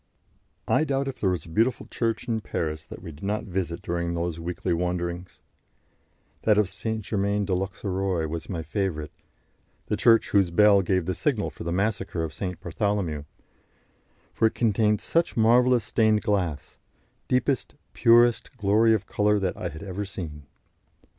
I doubt if there was a beautiful church in Paris that we did not visit during those weekly wanderings; that of St. Germain de l'Auxerrois was my favourite the church whose bell gave the signal for the massacre of St. Bartholomew for it contained such marvellous stained glass, deepest, purest glory of colour that I had ever seen.